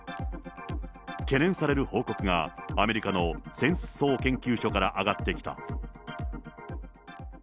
懸念される報告がアメリカの戦争研究所から上がってきた。